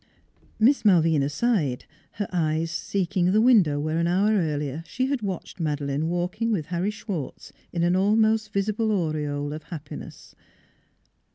Miss Malvina sighed, her eyes seeking the window where an hour earlier she had watched NEIGHBORS 353 Madeleine walking with Harry Schwartz in an almost visible aureole of happiness.